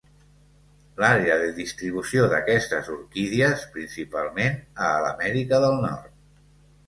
L'àrea de distribució d'aquestes orquídies principalment a l'Amèrica del Nord.